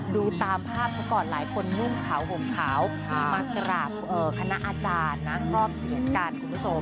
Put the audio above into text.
ดูตามภาพแล้วก่อนหลายคนนุ่มขาวห่มขาวมากระบขณะอาจารย์รอบเศียรภัณฑ์คุณผู้ชม